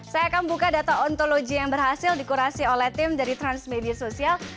saya akan buka data ontologi yang berhasil dikurasi oleh tim dari transmedia sosial